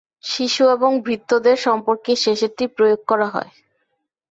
শিশু এবং ভৃত্যদের সম্পর্কে শেষেরটি প্রয়োগ করা হয়।